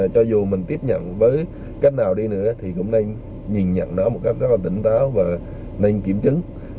cho dù mình tiếp nhận với cách nào đi nữa thì cũng nên nhìn nhận nó một cách rất là tỉnh táo và nên kiểm chứng